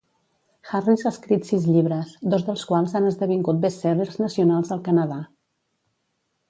Harris ha escrit sis llibres, dos dels quals han esdevingut best-sellers nacionals al Canadà.